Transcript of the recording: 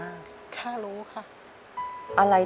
แต่ที่แม่ก็รักลูกมากทั้งสองคน